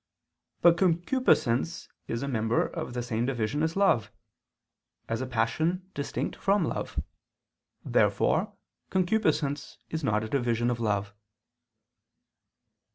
But concupiscence is a member of the same division as love, as a passion distinct from love. Therefore concupiscence is not a division of love.